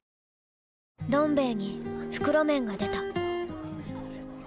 「どん兵衛」に袋麺が出た